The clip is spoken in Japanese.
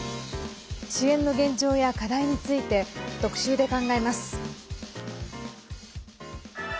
支援の現状や課題について特集で考えます。